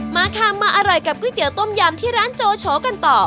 มาค่ะมาอร่อยกับก๋วยเตี๋ต้มยำที่ร้านโจโฉกันต่อ